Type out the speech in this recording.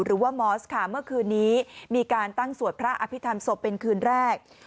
มอสค่ะเมื่อคืนนี้มีการตั้งสวดพระอภิษฐรรมศพเป็นคืนแรก